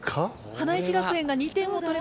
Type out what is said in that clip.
花一学園が２点を取れば。